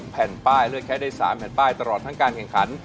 แผ่นป้ายเลือกใช้ได้๓แผ่นป้ายตลอดทั้งการแข่งขัน